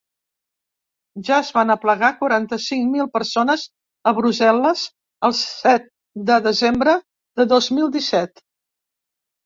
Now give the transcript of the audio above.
Ja es van aplegar quaranta-cinc mil persones a Brussel·les el set de desembre de dos mil disset.